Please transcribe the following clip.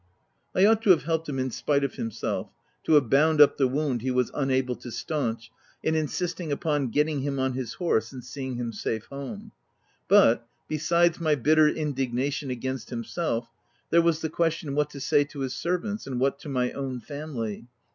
I ought to have helped him in spite of him self—to have bound up the wound he was un able to stanch, and insisted upon getting him on to his horse and seeing him safe home ; but, besides my bitter indignation against himself, there was the question what to say to his servants, — and what to my own family.